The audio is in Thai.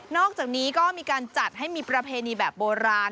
อกจากนี้ก็มีการจัดให้มีประเพณีแบบโบราณ